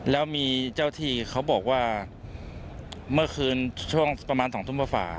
แล้วมีเจ้าที่เขาบอกว่าเมื่อคืนช่วงประมาณ๒ทุ่มกว่า